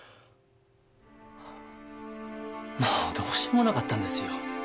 もうどうしようもなかったんですよ